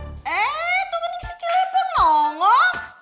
eh tuh bening si cilepeng nongok